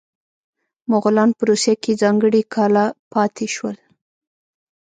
مغولان په روسیه کې ځانګړي کاله پاتې شول.